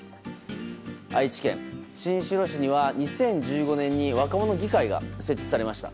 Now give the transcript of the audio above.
愛知県新城市には２０１５年に若者議会が設置されました。